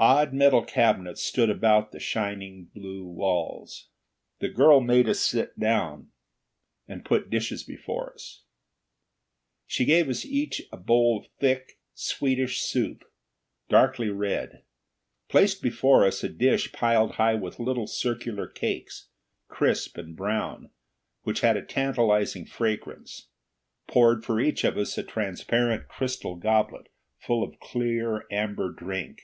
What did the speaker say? Odd metal cabinets stood about the shining blue walls. The girl made us sit down, and put dishes before us. She gave us each a bowl of thick, sweetish soup, darkly red; placed before us a dish piled high with little circular cakes, crisp and brown, which had a tantalizing fragrance; poured for each of us a transparent crystal goblet full of clear amber drink.